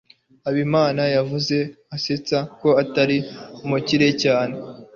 habimana yavuze asetsa ko atari umukire cyane